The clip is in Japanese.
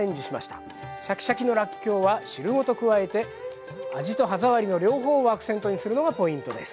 シャキシャキのらっきょうは汁ごと加えて味と歯触りの両方をアクセントにするのがポイントです。